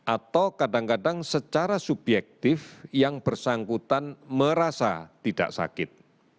atau kadang kadang secara subjektif yang bersangkutan merasa tidak sakit